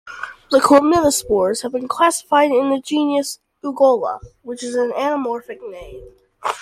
The chlamydospores have been classified in the genus "Ugola", which is an anamorphic name.